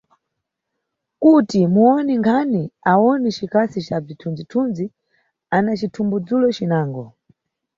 Kuti muwoni nkhani awone Cikasi ca bzithunzi-thunzi ana cithumbudzulo cinango.